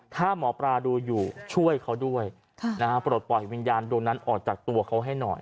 ถ้าหมอปลาดูอยู่ช่วยเขาด้วยปลดปล่อยวิญญาณดวงนั้นออกจากตัวเขาให้หน่อย